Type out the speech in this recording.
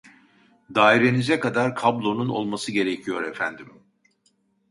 Dairenize kadar kablonun olması gerekiyor efendim